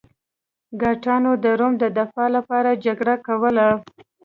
ګاټانو د روم د دفاع لپاره جګړه کوله.